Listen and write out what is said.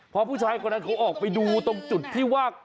พอผู้ชายคนนั้นเขาออกไปดูตรงจุดที่ว่า